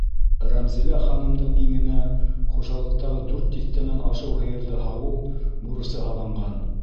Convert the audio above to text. Рәмзилә ханымдың иңенә хужалыҡтағы дүрт тиҫтәнән ашыу һыйырҙы һауыу бурысы һалынған.